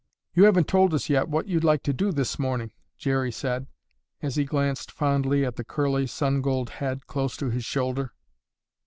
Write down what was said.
"You haven't told us yet what you'd like to do this morning," Jerry said, as he glanced fondly at the curly, sun gold head close to his shoulder.